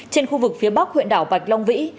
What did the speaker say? trên khu vực phía bắc huyện đảo bạch long vĩ